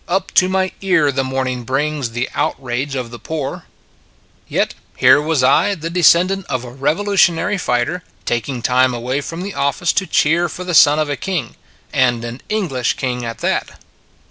Up to my ear the morning brings The outrage of the poor." 7 8 Yet here was I, the descendant of a Revolutionary fighter, taking time away from the office to cheer for the son of a King, and an English King at that.